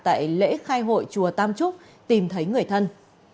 tại lễ khai hội chùa tam trúc tìm thấy người thân